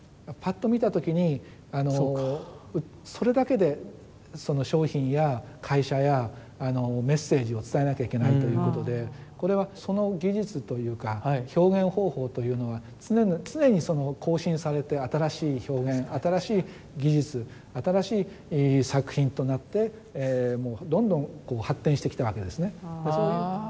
ぱっと見た時にそれだけでその商品や会社やメッセージを伝えなきゃいけないということでこれはその技術というか表現方法というのは常に更新されて新しい表現新しい技術新しい作品となってどんどん発展してきたわけですね。